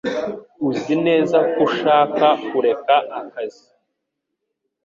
Uzi neza ko ushaka kureka akazi?